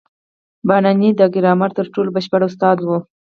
پاڼيڼى د ګرامر تر ټولو بشپړ استاد وو.